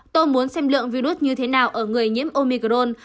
tôi muốn xem lượng virus như thế nào ở người nhiễm omicron